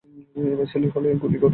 এবার ছেলে হলে গুলি করে দেবো!